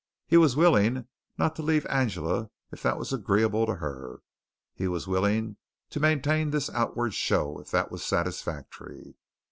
He was willing not to leave Angela, if that was agreeable to her. He was willing to maintain this outward show, if that was satisfactory.